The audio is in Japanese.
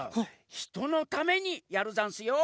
ひとのためにやるざんすよ。